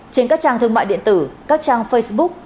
trên các trang thương mại điện tử các trang facebook